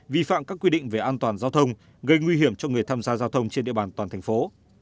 vi phạm các quy định về an toàn giao thông gây nguy hiểm cho người tham gia giao thông trên địa bàn toàn thành phố